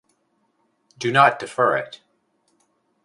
Do not defer it.